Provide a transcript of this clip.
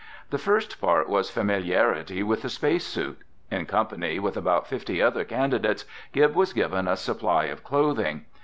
The first part was familiarity with the space suit. In company with about fifty other candidates, Gib was given a supply of clothing.